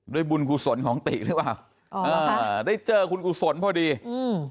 บุญกุศลของติหรือเปล่าอ่าได้เจอคุณกุศลพอดีอืม